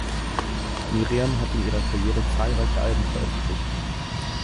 Myriam hat in ihrer Karriere zahlreiche Alben veröffentlicht.